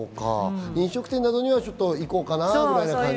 飲食店などには行こうかなみたいな感じ。